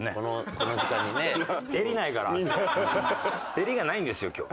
襟がないんですよ今日。